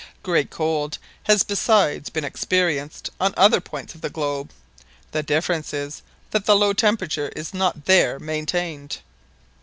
Great cold has besides been experienced on other points of the globe. The difference is, that the low temperature is not there maintained."